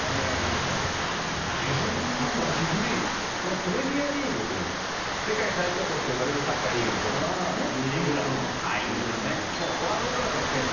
そのプレミアリーグっていうのは世界最高峰といわれるサッカーリーグのことなんですよね。